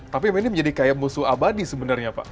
tapi ini menjadi kayak musuh abadi sebenarnya pak